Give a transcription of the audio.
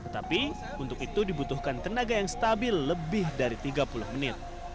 tapi untuk itu dibutuhkan tenaga yang stabil lebih dari tiga puluh menit